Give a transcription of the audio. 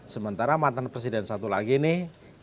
sementara mantan presiden satu lagi nih